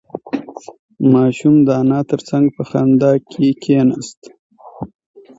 ماشوم د انا تر څنگ په خندا کې کېناست.